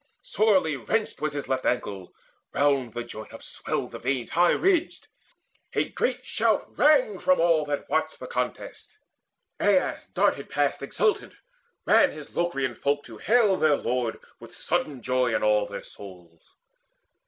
Sorely wrenched Was his left ankle: round the joint upswelled The veins high ridged. A great shout rang from all That watched the contest. Aias darted past Exultant: ran his Locrian folk to hail Their lord, with sudden joy in all their souls.